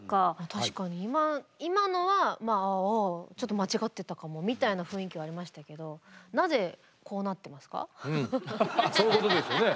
確かに今のは「ああちょっと間違ってたかも」みたいな雰囲気はありましたけどそういうことですよね。